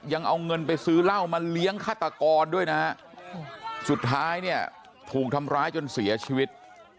ยังเอาเงินไปซื้อเหล้ามาเลี้ยงฆาตกรด้วยนะฮะสุดท้ายเนี่ยถูกทำร้ายจนเสียชีวิต